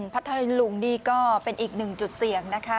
พัทธรินลุงนี่ก็เป็นอีกหนึ่งจุดเสี่ยงนะคะ